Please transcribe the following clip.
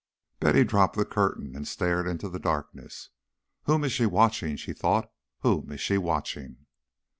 Betty dropped the curtain and stared into the darkness. "Whom is she watching?" she thought. "Whom is she watching?"